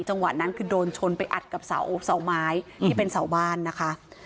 จังหวะนั้นคือโดนชนไปอัดกับเสาไม้ที่เป็นเสาบ้านนะคะ